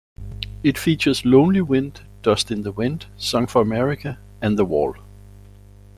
It features "Lonely Wind", "Dust in the Wind", "Song for America", and "The Wall".